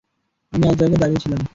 আমি এক জায়গায় দাঁড়িয়ে ছিলাম।